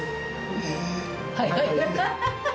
はい、はい。